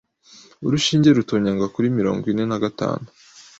Urushinge rutonyanga kuri mirongo ine na gatanu